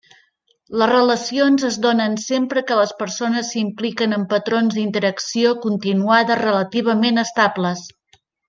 Les relacions es donen sempre que les persones s'impliquen en patrons d'interacció continuada relativament estables.